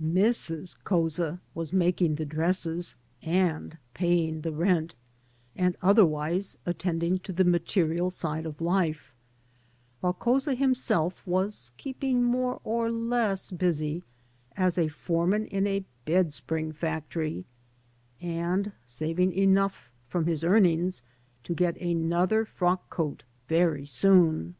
Mrs. Couza was making ' the dresses, and paying the rent, and otherwise attend \ ing to the material side of life, while Couza himself was | keeping more or less busy as a foreman in a bed spring ' factory, and saving enough from his earnings to get another frock coat very soon.